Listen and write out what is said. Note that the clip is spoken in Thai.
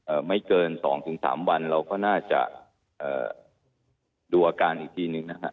ไม่เกินสองถึงสามวันเราก็น่าจะเอ่อดูอาการอีกทีหนึ่งนะฮะ